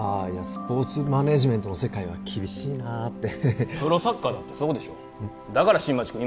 スポーツマネージメントの世界は厳しいなってプロサッカーだってそうでしょだから新町君